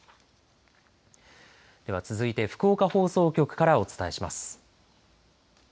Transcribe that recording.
では続いて福岡放送局からお伝えします。